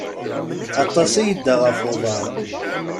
Aṭas i yedda ɣef uḍaṛ.